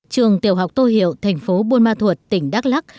trường tiểu học tô hiệu thành phố buôn ma thuột tỉnh đắk lắc